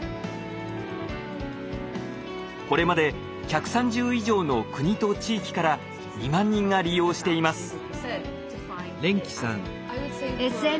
これまで１３０以上の国と地域から２万人が利用しています。